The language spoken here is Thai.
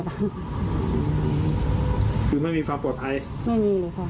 คือไม่มีความปลอดภัย